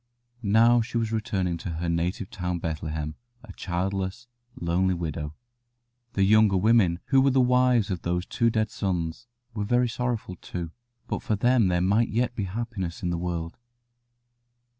Now she was returning to her native town of Bethlehem, a childless, lonely widow. The younger women, who were the wives of those two dead sons, were very sorrowful too, but for them there might yet be happiness in the world.